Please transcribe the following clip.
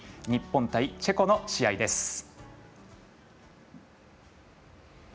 日本対チェコの試合です。